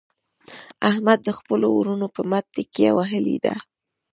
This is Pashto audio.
احمد د خپلو ورڼو په مټ تکیه وهلې ده.